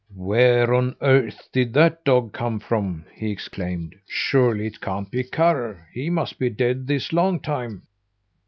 "Where on earth did that dog come from?" he exclaimed. "Surely it can't be Karr? He must be dead this long time!"